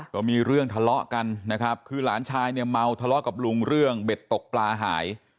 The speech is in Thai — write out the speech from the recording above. ก็มีเรื่องทะเลาะกันนะครับคือหลานชายเนี่ยเมาทะเลาะกับลุงเรื่องเบ็ดตกปลาหาย